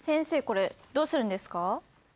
これどうするんですか？